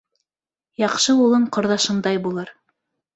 Яҡшы улың ҡорҙашындай булыр.